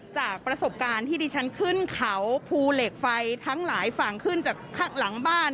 จากประสบการณ์ที่ดิฉันขึ้นเขาภูเหล็กไฟทั้งหลายฝั่งขึ้นจากข้างหลังบ้าน